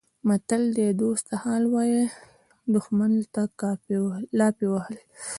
متل دی: دوست ته حال ویلی دښمن ته لافې وهل.